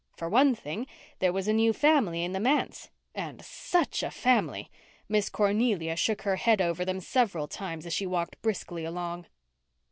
For one thing, there was a new family in the manse. And such a family! Miss Cornelia shook her head over them several times as she walked briskly along.